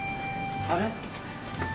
あれ？